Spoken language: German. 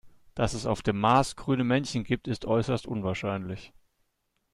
Dass es auf dem Mars grüne Männchen gibt, ist äußerst unwahrscheinlich.